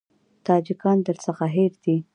تاجکان درڅخه هېر دي.